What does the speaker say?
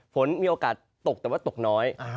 ฝนมีโอกาสตกแต่ว่าตกน้อย